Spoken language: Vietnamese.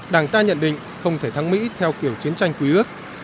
đảng ta nhận định không thể thắng mỹ theo kiểu chiến tranh quý ước